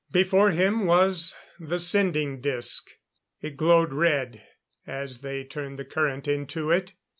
Before him was the sending disc; it glowed red as they turned the current into it.